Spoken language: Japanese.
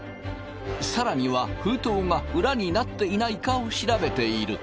更には封筒が裏になっていないかを調べている。